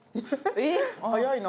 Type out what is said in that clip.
早いな。